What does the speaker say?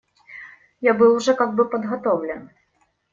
Я был уже как бы подготовлен.